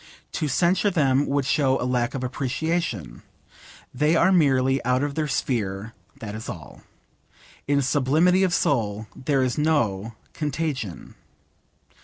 To censure them would show 'a lack of appreciation.' They are merely out of their sphere: that is all. In sublimity of soul there is no contagion.